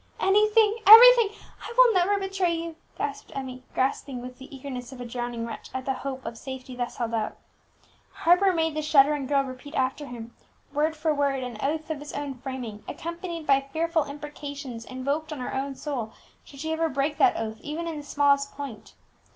"Anything everything I will never betray you!" gasped Emmie, grasping with the eagerness of a drowning wretch at the hope of safety thus held out. Harper made the shuddering girl repeat after him, word for word, an oath of his own framing, accompanied by fearful imprecations invoked on her own soul should she ever break that oath, even in the smallest point.